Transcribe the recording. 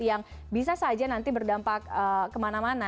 yang bisa saja nanti berdampak kemana mana